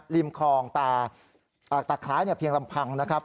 ริมคลองตาคล้ายเพียงลำพังนะครับ